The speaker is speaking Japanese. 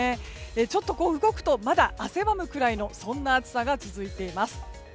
ちょっと動くとまだ汗ばむくらいのそんな暑さが続いています。